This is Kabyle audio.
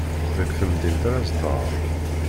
Deg temdint ara zedɣeɣ.